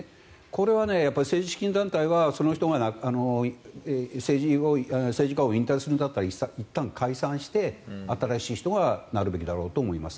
これは政治資金団体は、その人が政治家を引退するんだったらいったん解散して新しい人がなるべきだと思います。